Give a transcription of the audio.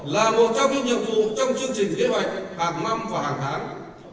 là một trong những nhiệm vụ trong chương trình kế hoạch hàng năm và hàng tháng